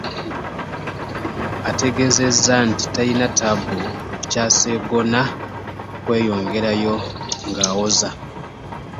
Ono ategeezezza nti talina ttabbu ku kya Sseggona kweyongerayo ng'awoza